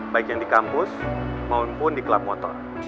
baik yang di kampus maupun di klub motor